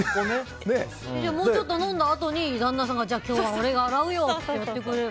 もうちょっと飲んだあとに旦那さんが今日は俺が洗うよってやってくれれば。